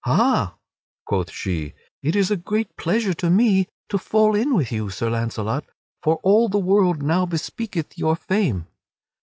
"Hah!" quoth she, "it is a great pleasure to me to fall in with you, Sir Launcelot, for all the world now bespeaketh your fame.